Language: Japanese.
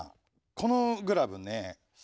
このグラブね